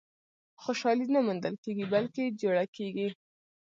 • خوشالي نه موندل کېږي، بلکې جوړه کېږي.